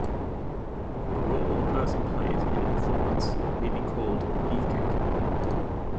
A role a person plays in a performance may be called "beefcake".